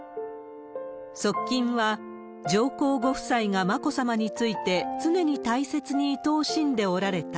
側近は、上皇ご夫妻が眞子さまについて常に大切にいとおしんでおられた。